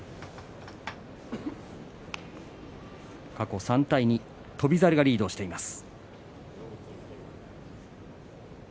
過去３対２、翔猿がリードしています。